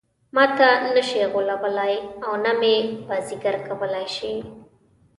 ماته نه شي غولولای او نه مې بازيګر کولای شي.